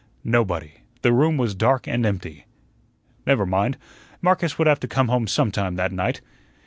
Nobody the room was dark and empty. Never mind, Marcus would have to come home some time that night.